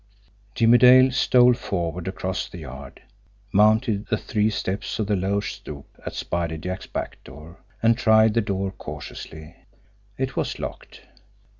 Jimmie Dale stole forward across the yard, mounted the three steps of the low stoop at Spider Jack's back door, and tried the door cautiously. It was locked.